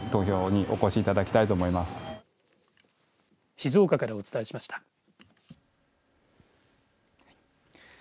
静岡からお伝えしました。